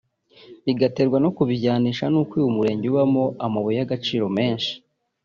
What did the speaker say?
bigaterwa no kubijyanisha n’uko uyu murenge ubamo amabuye y’agaciro menshi